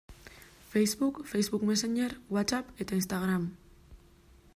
Facebook, Facebook Messenger, Whatsapp eta Instagram.